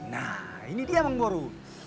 nah ini dia mang boru